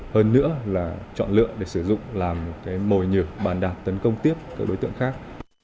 hơn nữa là chọn lựa để sử dụng làm cái mồi nhử bàn đạp tấn công tiếp các đối tượng khác